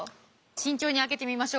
慎重に開けてみましょう。